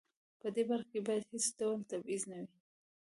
په دې برخه کې باید هیڅ ډول تبعیض نه وي.